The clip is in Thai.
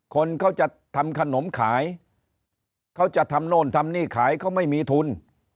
คนเขาจะทำขนมขายเขาจะทำโน่นทำนี่ขายเขาไม่มีทุน